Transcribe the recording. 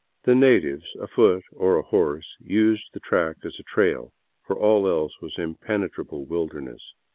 The natives, afoot or ahorse, used the track as a trail, for all else was impenetrable wilderness.